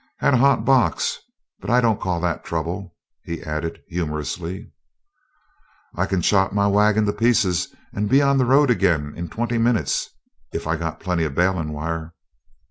"Had a hot box, but I don't call that trouble." He added humorously: "I can chop my wagon to pieces and be on the road again in twenty minutes, if I got plenty of balin' wire."